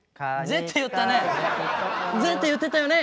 ⁉「ぜ」って言ったよね？